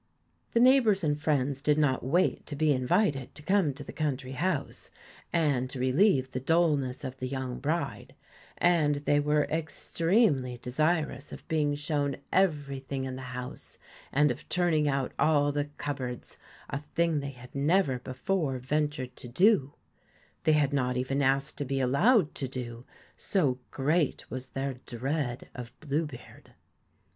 The neighbours and friends did not wait to be invited to come to the country house, and to relieve the dulness of the young bride ; and they were extremely desirous of being shown everything in the house, and of turning out all the cupboards, a thing they had never before ventured to do, they had not even asked to be allowed to do, so great was their dread of Blue beard.